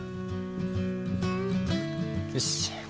よし！